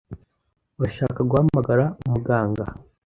Urashaka guhamagara umuganga?